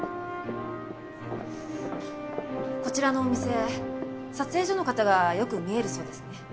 こちらのお店撮影所の方がよく見えるそうですね。